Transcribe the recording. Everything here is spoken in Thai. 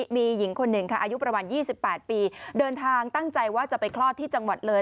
มีหญิงคนหนึ่งค่ะอายุประมาณ๒๘ปีเดินทางตั้งใจว่าจะไปคลอดที่จังหวัดเลย